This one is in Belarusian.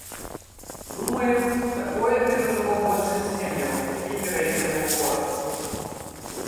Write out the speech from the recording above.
Думаю, такое перажыло большасць сем'яў, якія пераехалі ў горад.